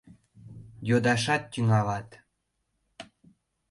— Йодашат тӱҥалат...